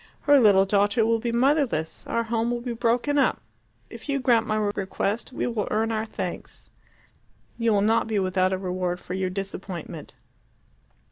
Her little daughter will be motherless, our home will be broken up. If you grant my request you will earn our thanks and you will not be without a reward for your disappointment."